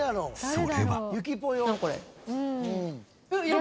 それは。